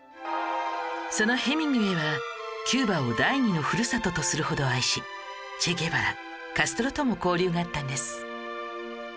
そのヘミングウェイはキューバを第二のふるさととするほど愛しチェ・ゲバラカストロとも交流があったんです